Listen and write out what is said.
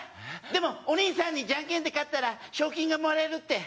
でもお兄さんにジャンケンで勝ったら賞金がもらえるって。